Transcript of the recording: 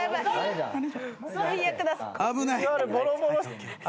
危ない。